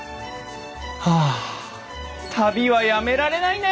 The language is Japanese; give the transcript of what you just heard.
はあ旅はやめられないね！